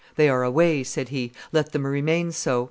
"They are away," said he; "let them remain so.